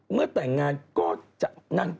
เมื่อแต่งงานก็จะ